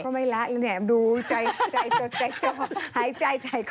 ก็ไม่ละเลยเนี่ยดูใจเจาะหายใจหายคอ